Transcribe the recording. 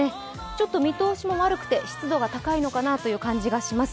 ちょっと見通しも悪くて、湿度が高いのかなという感じがします。